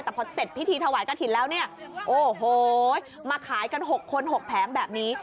แต่พอเสร็จพิธีถวายกระถิ่นแล้วเนี่ยโอ้โหมาขายกัน๖คน๖แผงแบบนี้